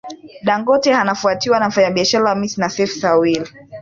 Dangote anafuatiwa na mfanyabiashara wa Misri Nassef Sawaris